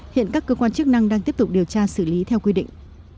hiện các cơ quan chức năng đang tiếp tục điều tra xử lý theo quy định